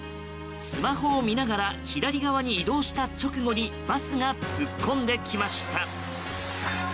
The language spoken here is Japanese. スマホを見ながら左側に移動した直後にバスが突っ込んできました。